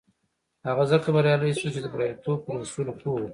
هغه ځکه بريالی شو چې د برياليتوب پر اصولو پوه و.